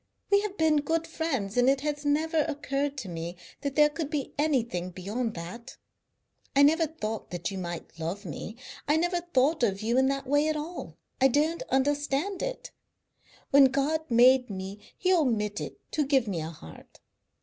We have been good friends, and it has never occurred to me that there could be anything beyond that. I never thought that you might love me. I never thought of you in that way at all, I don't understand it. When God made me He omitted to give me a heart.